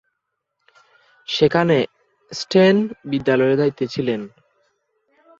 সেখানে স্ট্যান বিদ্যালয়ের দায়িত্বে ছিলেন।